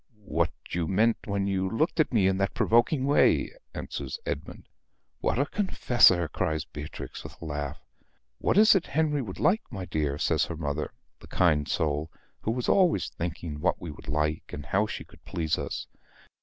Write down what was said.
"What you meant when you looked at me in that provoking way," answers Esmond. "What a confessor!" cries Beatrix, with a laugh. "What is it Henry would like, my dear?" asks her mother, the kind soul, who was always thinking what we would like, and how she could please us.